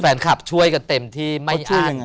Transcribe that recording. แฟนคลับช่วยกันเต็มที่ไม่อ้าง